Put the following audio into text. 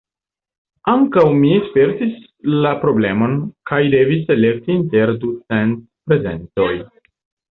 Ankaŭ mi spertis la problemon, kaj devis elekti inter ducent prezentoj.